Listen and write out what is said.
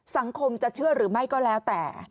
สังคมจะเชื่อหรือไม่ก็แล้วแต่